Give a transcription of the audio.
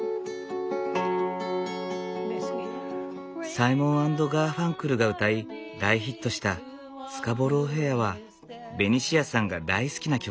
サイモン＆ガーファンクルが歌い大ヒットした「スカボロー・フェア」はベニシアさんが大好きな曲。